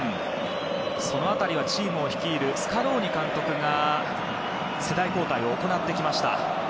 その辺りはチームを率いるスカローニ監督が世代交代を行ってきました。